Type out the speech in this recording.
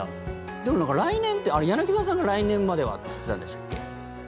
でも来年って柳澤さんが来年まではって言ってたんでしたっけ？